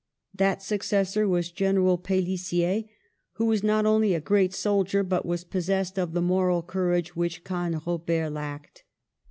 That successor was General Pelissier, who was not only a great soldier, but was possessed of the moral courage which Canrobert lacked.